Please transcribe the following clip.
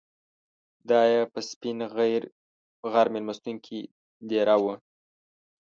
دای په سپین غر میلمستون کې دېره و.